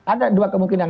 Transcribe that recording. ada dua kemungkinan